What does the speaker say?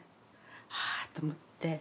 ああと思って。